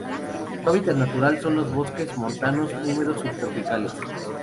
Su hábitat natural son los bosques montanos húmedos subtropicales.